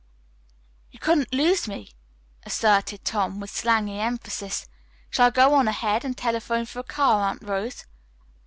"You couldn't lose me," asserted Tom with slangy emphasis. "Shall I go on ahead and telephone for a car, Aunt Rose?"